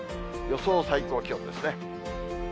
予想最高気温ですね。